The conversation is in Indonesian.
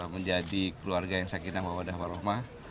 menjadi keluarga yang sakinah mawadah warahmat